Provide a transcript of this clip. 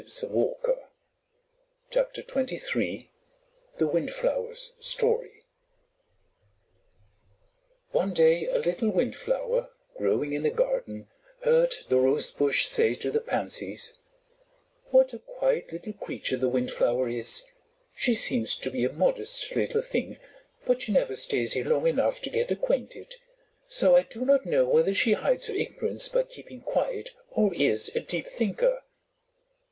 THE WINDFLOWER'S STORY [Illustration: The Windflower's Story] One day a little Windflower growing in a garden heard the Rosebush say to the Pansies, "What a quiet little creature the Windflower is! She seems to be a modest little thing, but she never stays here long enough to get acquainted; so I do not know whether she hides her ignorance by keeping quiet or is a deep thinker."